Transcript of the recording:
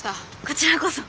こちらこそ。